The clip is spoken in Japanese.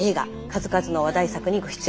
数々の話題作にご出演。